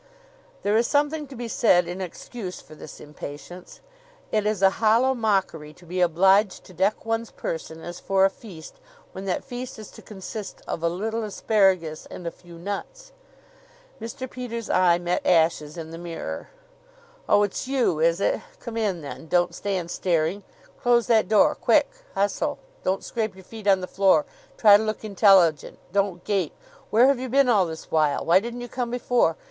There is something to be said in excuse for this impatience: It is a hollow mockery to be obliged to deck one's person as for a feast when that feast is to consist of a little asparagus and a few nuts. Mr. Peters' eye met Ashe's in the mirror. "Oh, it's you, is it? Come in, then. Don't stand staring. Close that door quick! Hustle! Don't scrape your feet on the floor. Try to look intelligent. Don't gape. Where have you been all this while? Why didn't you come before?